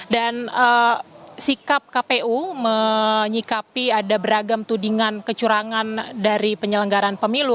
dan sikap kpu menyikapi ada beragam tudingan kecurangan dari penyelenggaran pemilu